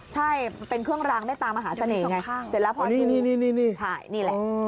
ใช่เป็นเครื่องรางเมตามหาเสน่ห์ไงเสร็จแล้วพอนี่ใช่นี่แหละ